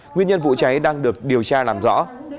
nguyên nhân vụ cháy đang được điều tra làm rõ